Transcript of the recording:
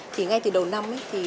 thì ngay từ đầu năm